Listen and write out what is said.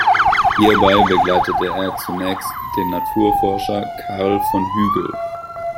Hierbei begleitete er zunächst den Naturforscher Carl von Hügel.